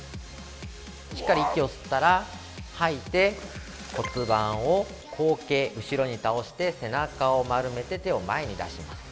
しっかり息を吸ったら吐いて骨盤を後傾、後ろに倒して背中を丸めて手を前に出します。